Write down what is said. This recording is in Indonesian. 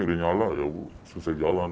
ini nyala ya susah jalan